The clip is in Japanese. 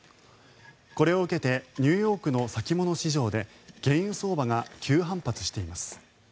これを受けてニューヨークの先物市場で原油相場が急反発しています。